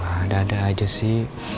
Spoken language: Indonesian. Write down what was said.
ada ada aja sih